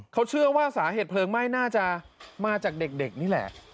เขาเชื่อว่าสาเหตุเพลิงไหม้น่าจะมาจากเด็กนี่แหละ